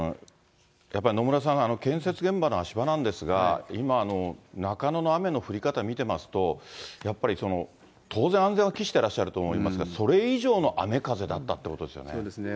やっぱり野村さん、建設現場の足場なんですが、今、中野の雨の降り方見ていますと、やっぱり当然、安全を期してらっしゃると思いますが、それ以上の雨風だったってそうですね。